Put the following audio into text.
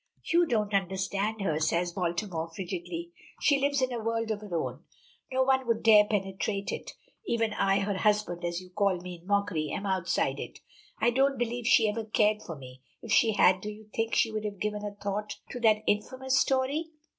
"You don't understand her," says Baltimore frigidly. "She lives in a world of her own. No one would dare penetrate it. Even I her husband, as you call me in mockery am outside it. I don't believe she ever cared for me. If she had, do you think she would have given a thought to that infamous story?"